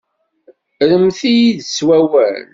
Rremt-iyi-d s wawal.